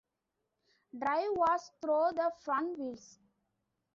Drive was through the front wheels.